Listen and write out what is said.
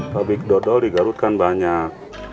pabrik dodo digarutkan banyak